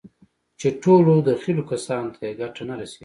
چې ټولو دخيلو کسانو ته يې ګټه نه رسېږي.